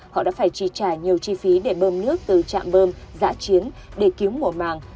họ đã phải trì trả nhiều chi phí để bơm nước từ trạm bơm giã chiến để cứu mùa màng